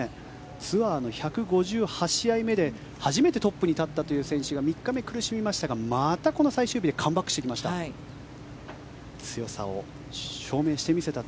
ツアーの１５８試合目で初めてトップに立ったという選手が３日目、苦しみましたがまたこの最終日でカムバックしてきました。